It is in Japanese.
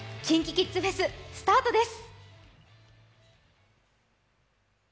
ＫｉｎＫｉＫｉｄｓフェス、スタートです。